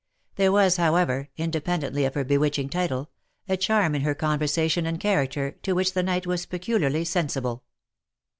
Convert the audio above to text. There was, however, independently of her bewitching title, a charm in her con versation and character, to which the knight was peculiarly sensible.